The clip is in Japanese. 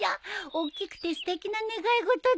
おっきくてすてきな願い事だよ。